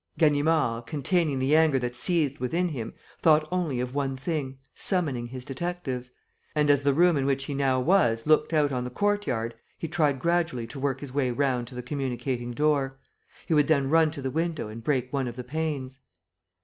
Ganimard, containing the anger that seethed within him, thought only of one thing, summoning his detectives. And, as the room in which he now was looked out on the courtyard, he tried gradually to work his way round to the communicating door. He would then run to the window and break one of the panes.